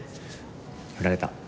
振られた。